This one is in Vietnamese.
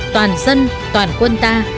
toàn dân toàn quân ta